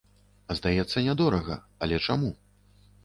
Здаецца нядорага, але чаму?